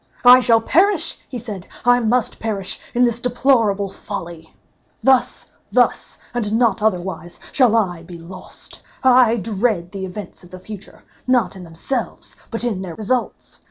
"I shall perish," said he, "I must perish in this deplorable folly. Thus, thus, and not otherwise, shall I be lost. I dread the events of the future, not in themselves, but in their results.